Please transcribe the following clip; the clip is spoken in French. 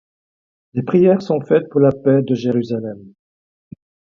Des prières sont faites pour la paix de Jérusalem.